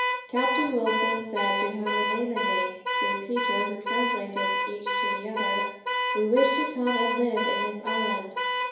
Captain Wilson said to Haamanemane, through Peter, who translated each to the other: "We wish to come and live in this island."